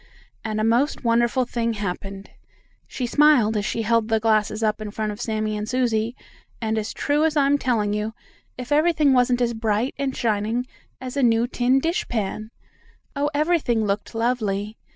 And a most wonderful thing happened, she smiled as she held the glasses up in front of Sammie and Susie, and as true as I'm telling you, if everything wasn't as bright and shining as a new tin dishpan. Oh, everything looked lovely!